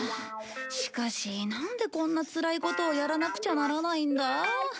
しかしなんでこんなつらいことをやらなくちゃならないんだ？